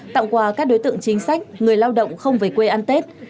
tặng quà các đối tượng chính sách người lao động không về quê ăn tết